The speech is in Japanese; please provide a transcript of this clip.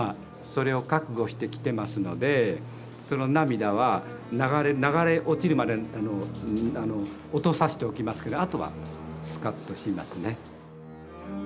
それを覚悟して来てますのでその涙は流れ落ちるまで落とさしておきますけどあとはスカッとしますね。